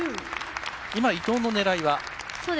今、伊藤の狙いは？